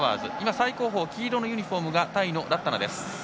最後方、黄色のユニフォームがタイのラッタナ。